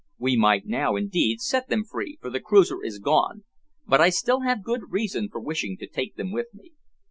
We might now, indeed, set them free, for the cruiser is gone, but I still have good reason for wishing to take them with me.